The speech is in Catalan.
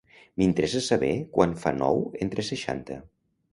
M'interessa saber quant fa nou entre seixanta.